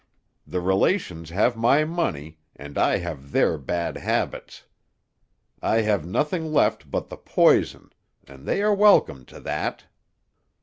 The relations have my money, and I have their bad habits. I have nothing left but the poison, and they are welcome to that."